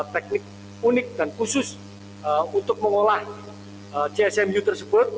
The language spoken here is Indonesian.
teknik unik dan khusus untuk mengolah csmu tersebut